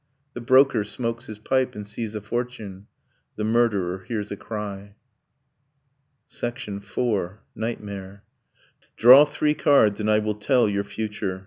The broker smokes his pipe, and sees a fortune. The murderer hears a cry. IV. NIGHTMARE 'Draw three cards, and I will tell your future ..